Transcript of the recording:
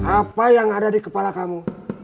apa yang ada di kepala kamu